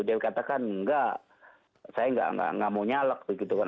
dia katakan enggak saya enggak mau nyalep begitu kan